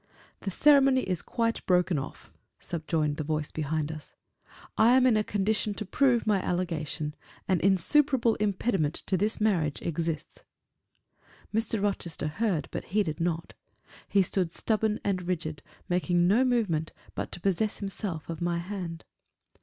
"The ceremony is quite broken off," subjoined the voice behind us. "I am in a condition to prove my allegation; an insuperable impediment to this marriage exists." Mr. Rochester heard, but heeded not; he stood stubborn and rigid; making no movement but to possess himself of my hand.